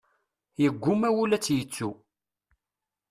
Yeggumma wul ad tt-yettu.